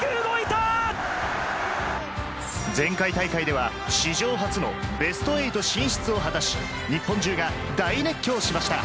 前回大会では史上初のベスト８進出を果たし、日本中が大熱狂しました。